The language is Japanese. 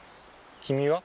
君は？